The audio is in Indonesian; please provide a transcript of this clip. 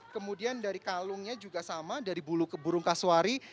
kemudian dari kalungnya juga sama dari bulu burung kaswari